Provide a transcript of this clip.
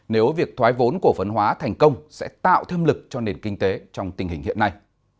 nếu việc thoái vốn cổ phấn hóa thành công sẽ tạo thêm lực cho nền kinh tế trong tình hình hiện nay